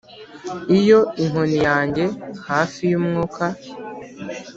iyo inkoni yanjye-hafi-yumwuka